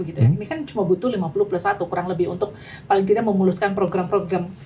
ini kan cuma butuh lima puluh plus satu kurang lebih untuk paling tidak memuluskan program program